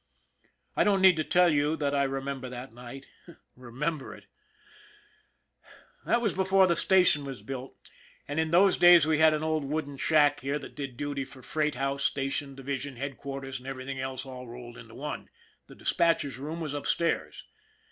I don't need to tell you that I remember that night. Remember it ! "IF A MAN DIE" 61 That was before this station was built, and in those days we had an old wooden shack here that did duty for freight house, station, division headquarters, and everything else all rolled into one. The dispatcher's room was upstairs.